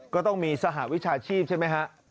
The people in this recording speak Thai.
ก็ต้องมีสหวิชาชีพใช่ไหมฮะ